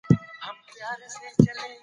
تاسي په خپل ژوند کي څو ارمانونه پوره کړي دي؟